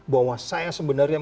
bahwa saya sebenarnya